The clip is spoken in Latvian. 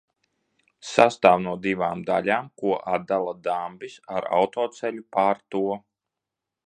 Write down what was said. Sastāv no divām daļām, ko atdala dambis ar autoceļu pār to.